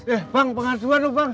eh bang pengaduan bang